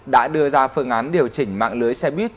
đã đưa ra phương án điều chỉnh mạng lưới xe buýt